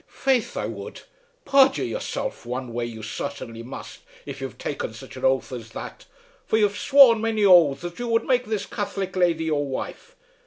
"Faith I would. Perjure yourself one way you certainly must, av' you've taken such an oath as that, for you've sworn many oaths that you would make this Catholic lady your wife.